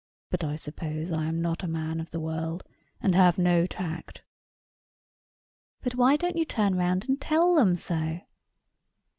But, I suppose I am not a man of the world, and have no tact." "But why don't you turn round and tell them so?"